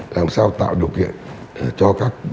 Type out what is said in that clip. làm sao tạo điều kiện cho các